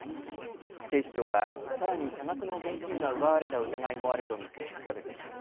警視庁は、さらに多額の現金が奪われた疑いもあると見て調べています。